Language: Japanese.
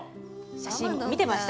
写真見てました？